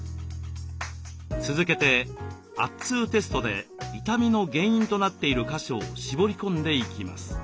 続けて圧痛テストで痛みの原因となっている箇所を絞り込んでいきます。